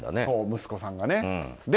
息子さんがね。